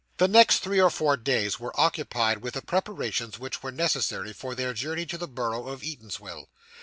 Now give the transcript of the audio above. The next three or four days were occupied with the preparations which were necessary for their journey to the borough of Eatanswill.